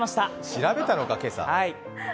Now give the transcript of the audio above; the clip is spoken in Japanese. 調べたのか、今朝。